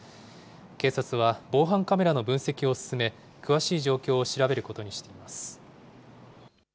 警察は防犯カメラの分析を進め、詳しい状況を調べることにしています。